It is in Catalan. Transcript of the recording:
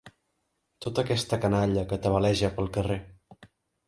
Tota aquesta canalla que tabaleja pel carrer!